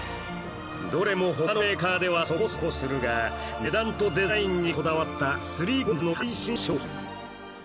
どれも他のメーカーではそこそこするが値段とデザインにこだわった ３ＣＯＩＮＳ の最新商品